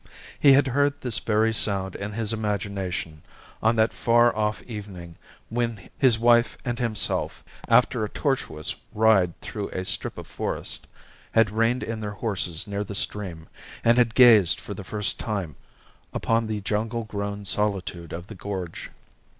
He had heard this very sound in his imagination on that far off evening when his wife and himself, after a tortuous ride through a strip of forest, had reined in their horses near the stream, and had gazed for the first time upon the jungle grown solitude of the gorge.